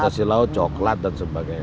hasil laut coklat dan sebagainya